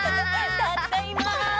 たっだいま！